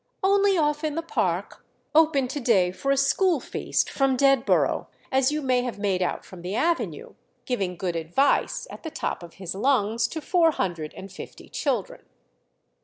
"Only off in the park—open to day for a school feast from Dedborough, as you may have made out from the avenue; giving good advice, at the top of his lungs, to four hundred and fifty children."